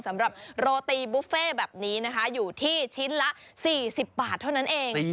สำหรับโรตีบุฟเฟ่แบบนี้นะคะอยู่ที่ชิ้นละ๔๐บาทเท่านั้นเอง